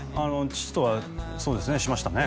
父とはそうですねしましたね